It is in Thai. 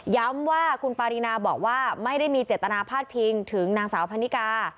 ย้ำว่าคุณปารีนาบอกว่าไม่ได้มีเจตนาพาดพิงถึงนางสาวพันนิกา